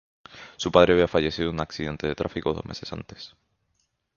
Su padre había fallecido en un accidente de tráfico dos meses antes.